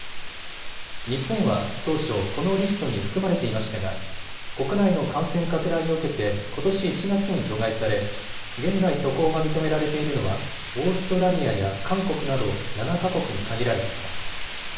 日本は当初このリストに含まれていましたが国内の感染拡大を受けてことし１月に除外され現在、渡航が認められているのはオーストラリアや韓国など７か国に限られています。